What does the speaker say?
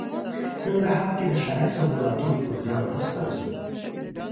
ننګرهار کې د ښاري خبرو اترو پروګرام ترسره شو